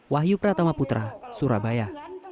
wahyu pratama putra surabaya